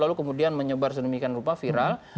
lalu kemudian menyebar sedemikian rupa viral